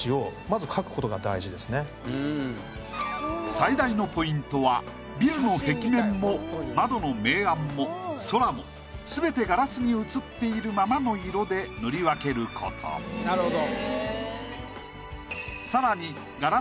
最大のポイントはビルの壁面も窓の明暗も空も全て更にガラスの描写は映っているそのままの色で描くことがコツなんです。